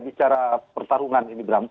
bicara pertarungan ini bram